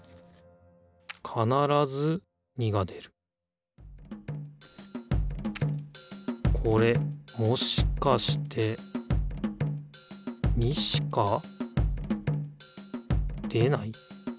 かならず２が出るこれもしかして２しか出ない？